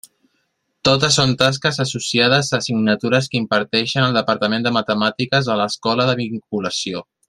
Totes són tasques associades a assignatures que imparteix el departament de Matemàtiques a l'escola de vinculació.